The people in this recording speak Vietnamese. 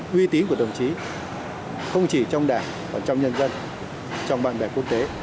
nguy tín của đồng chí không chỉ trong đảng còn trong nhân dân trong bạn bè quốc tế